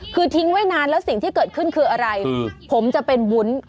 คือทิ้งไว้นานแล้วสิ่งที่เกิดขึ้นคืออะไรผมจะเป็นวุ้น